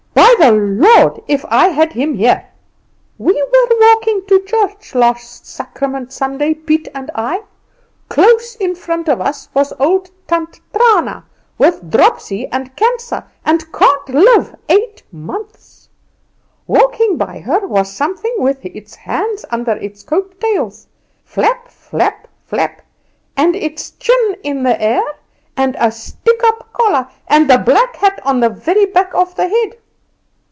By the Lord if I had him here! We were walking to church last Sacrament Sunday, Piet and I. Close in front of us with old Tant Trana, with dropsy and cancer, and can't live eight months. Walking by her was something with its hands under its coat tails, flap, flap, flap; and its chin in the air, and a stick up collar, and the black hat on the very back of the head.